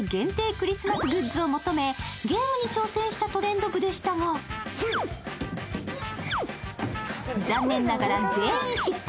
クリスマスグッズを求めゲームに挑戦したトレンド部でしたが残念ながら全員失敗。